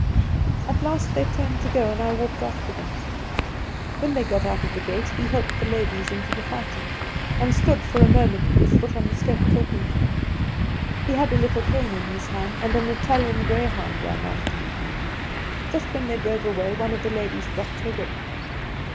"At last they turned to go, and I walked after them. When they got out of the gate he helped the ladies into a phaeton, and stood for a moment with his foot on the step talking to them. He had a little cane in his hand, and an Italian greyhound ran after him. Just when they drove away one of the ladies dropped her whip.